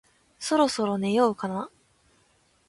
そろそろ寝ようかな